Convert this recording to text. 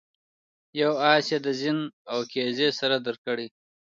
یو آس یې د زین او کیزې سره درکړی.